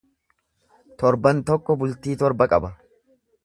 Torban tokko bultii torba qaba.